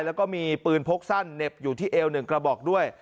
แล้วก็มีปืนพกสั้นเหน็บอยู่ที่เอว๑กระบอกด้วย